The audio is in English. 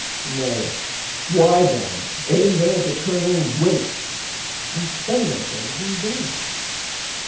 Nay, why, then, aim they at eternal wastes, And spend themselves in vain?